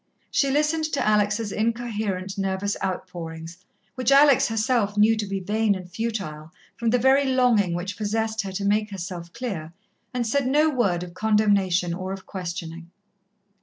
She listened to Alex' incoherent, nervous outpourings, which Alex herself knew to be vain and futile from the very longing which possessed her to make herself clear, and said no word of condemnation or of questioning.